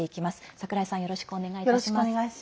櫻井さん、よろしくお願いします。